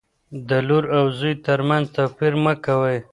د لور او زوی ترمنځ توپیر مه کوئ.